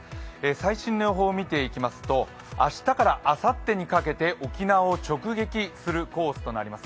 最新の予報を見ていきますと明日からあさってにかけて沖縄を直撃するコースとなります。